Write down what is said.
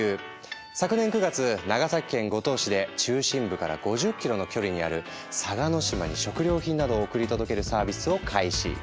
昨年９月長崎県五島市で中心部から５０ｋｍの距離にある嵯峨島に食料品などを送り届けるサービスを開始。